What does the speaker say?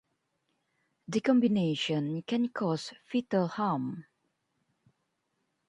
The combination can cause fetal harm.